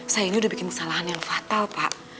saya ini udah bikin kesalahan yang fatal pak